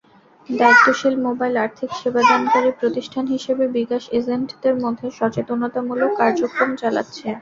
দায়িত্বশীল মোবাইল আর্থিক সেবাদানকারী প্রতিষ্ঠান হিসেবে বিকাশ এজেন্টদের মধ্যে সচেতনতামূলক কার্যক্রম চালাচ্ছে।